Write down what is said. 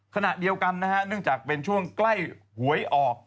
ขณะเดียวกันนะฮะเนื่องจากเป็นช่วงใกล้หวยออก